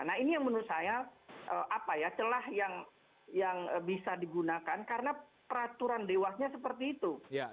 nah ini yang menurut saya celah yang bisa digunakan karena peraturan dewasnya seperti itu